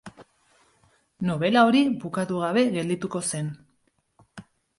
Nobela hori bukatu gabe geldituko zen.